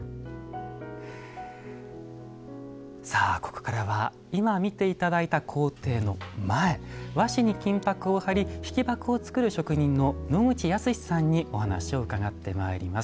さあここからは今見て頂いた工程の前和紙に金箔を貼り引箔をつくる職人の野口康さんにお話を伺ってまいります。